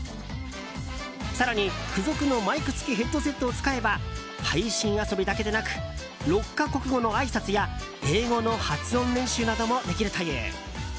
更に、付属のマイク付きヘッドセットを使えば配信遊びだけでなく６か国語のあいさつや英語の発音練習などもできるという。